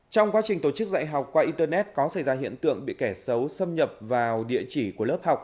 trong quá trình tổ chức dạy học qua internet có xảy ra hiện tượng bị kẻ xấu xâm nhập vào địa chỉ của lớp học